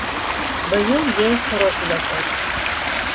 Быйыл йәй ҡоро киләсәк.